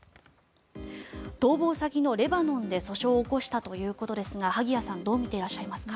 逃亡先のレバノンで訴訟を起こしたということですが萩谷さんどう見ていらっしゃいますか？